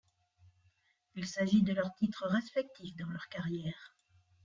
Il s'agit de leur titre respectif dans leur carrière.